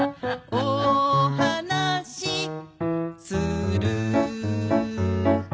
「おはなしする」